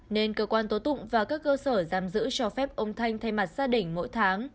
nên cơ quan tố tụng và các cơ sở giam giữ cho phép ông thanh thay mặt gia đình mỗi tháng